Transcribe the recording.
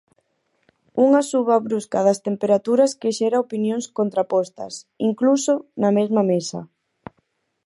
Unha suba brusca das temperaturas que xera opinións contrapostas, incluso, na mesma mesa.